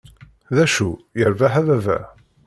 D acu, yirbeḥ a baba".